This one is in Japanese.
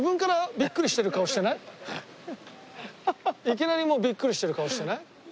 いきなりもうビックリしてる顔してない？